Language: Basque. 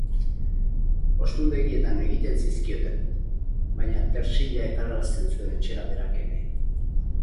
Jostundegietan egiten zizkioten, baina Tersilla ekarrarazten zuen etxera berak ere.